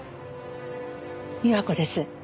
美和子です。